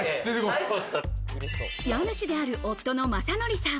家主である夫の正憲さん。